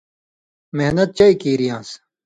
محنت چئ کیریان٘س